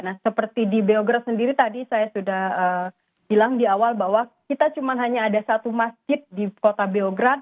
nah seperti di beograf sendiri tadi saya sudah bilang di awal bahwa kita cuma hanya ada satu masjid di kota beograb